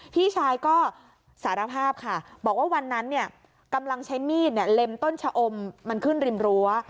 พี่ชายก็สารภาพค่ะบอกว่าวันนั้นกำลังใช้มีดเล็มต้นชะอมมันขึ้นริมรั้ว